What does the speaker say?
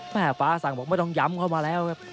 แม่ฟ้าสั่งบอกไม่ต้องย้ำเข้ามาแล้ว